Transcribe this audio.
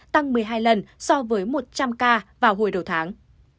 tăng một mươi hai lần so với một trăm linh ca vào hồi đầu tháng